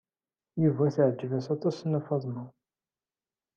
Yuba teɛjeb-as aṭas Nna Faḍma.